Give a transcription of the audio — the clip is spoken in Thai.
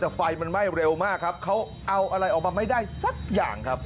แต่ไฟมันไหม้เร็วมากครับเขาเอาอะไรออกมาไม่ได้สักอย่างครับ